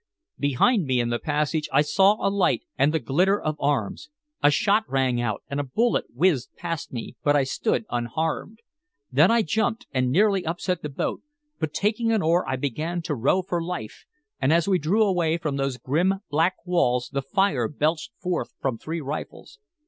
Behind me in the passage I saw a light and the glitter of arms. A shot rang out, and a bullet whizzed past me, but I stood unharmed. Then I jumped, and nearly upset the boat, but taking an oar I began to row for life, and as we drew away from those grim, black walls the fire belched forth from three rifles.